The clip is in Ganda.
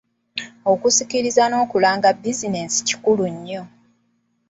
Okusikiriza n’okulanga bizinensi kikulu nnyo.